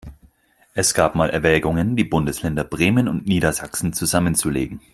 Es gab mal Erwägungen, die Bundesländer Bremen und Niedersachsen zusammenzulegen.